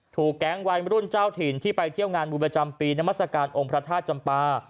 แก๊งวัยรุ่นเจ้าถิ่นที่ไปเที่ยวงานบุญประจำปีนามัศกาลองค์พระธาตุจำปา